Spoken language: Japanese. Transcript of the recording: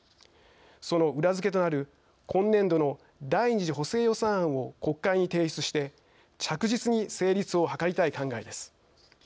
その裏付けとなる今年度の第２次補正予算案を国会に提出して着実に成立を図りたい考えです。